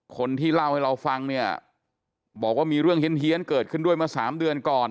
คนที่เล่าให้เราฟังเนี่ยบอกว่ามีเรื่องเฮียนเกิดขึ้นด้วยเมื่อสามเดือนก่อน